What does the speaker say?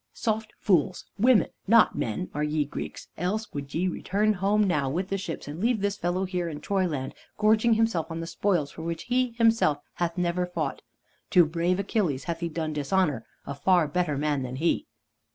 Soft fools, women, not men, are ye Greeks, else would ye return home now with the ships, and leave this fellow here in Troyland gorging himself on the spoils for which he himself hath never fought. To brave Achilles hath he done dishonor, a far better man than he!"